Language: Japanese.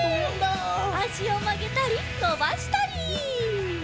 あしをまげたりのばしたり！